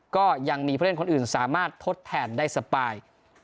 ก็ยังมีผู้เล่นคนอื่นสามารถทดแทนได้สบาย